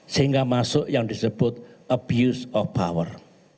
sehingga masuk yang disebut abuse of power